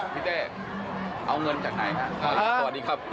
คุณเต้เอาเงินจากไหนค่ะ